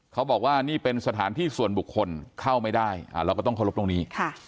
เขาบอกว่านี่เป็นสถานที่ส่วนบุคคลเข้าไม่ได้เราก็ต้องเคารพตรงนี้